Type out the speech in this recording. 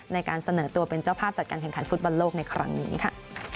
ในการเสนอตัวเป็นเจ้าภาพจัดการแข่งขันฟุตบอลโลกในครั้งนี้ค่ะ